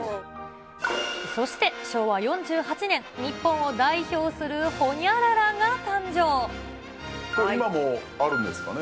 そして、昭和４８年、日本を今もあるんですかね。